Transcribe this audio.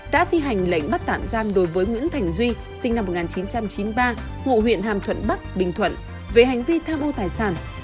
đã thi hành lệnh bắt tạm giam đối với nguyễn thành duy sinh năm một nghìn chín trăm chín mươi ba ngụ huyện hàm thuận bắc bình thuận về hành vi tham ô tài sản